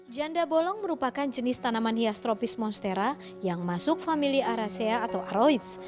janda bolong merupakan jenis tanaman hias tropis monstera yang masuk famili aracea atau aroids